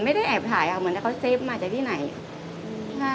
ไม่ได้แอบถ่ายค่ะเหมือนแต่เขาเซฟมาจากที่ไหน